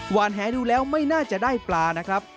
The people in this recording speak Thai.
แหดูแล้วไม่น่าจะได้ปลานะครับ